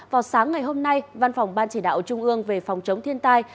vào sáng ngày hôm nay văn phòng ban chỉ đạo trung ương về phòng chống thiên tai